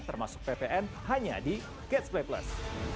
termasuk ppn hanya di catch play plus